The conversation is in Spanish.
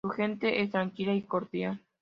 Su gente es tranquila y cordial.